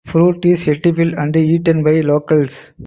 Fruit is edible and eaten by locals.